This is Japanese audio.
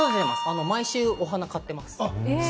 毎週お花を買ってます。